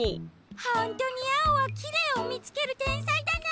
ほんとにアオはきれいをみつけるてんさいだな。